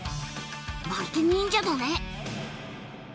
まるで忍者だね！